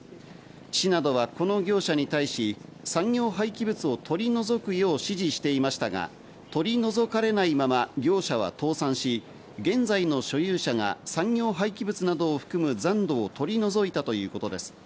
市などはこの業者に対し、産業廃棄物を取り除くよう指示していましたが、取り除かれないまま業者は倒産し、現在の所有者が産業廃棄物などを含む残土を取り除いたということです。